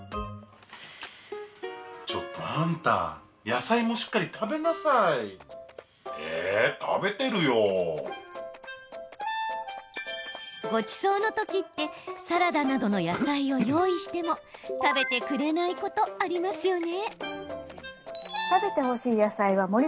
ちょっとあんたごちそうの時ってサラダなどの野菜を用意しても食べてくれないことありますよね。